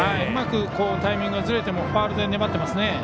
うまくタイミングがずれてもファウルで粘ってますね。